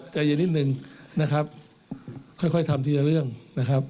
ใจเย็นอีกนิดนึงนะ